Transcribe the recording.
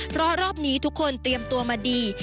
เพราะรอบนี้ทุกคนเตรียมตัวมาดี